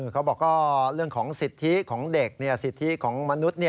เขาบอกว่าเรื่องของสิทธิของเด็กสิทธิของมนุษย์